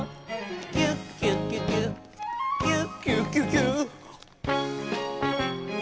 「キュキュキュキュキュキュキュキュ」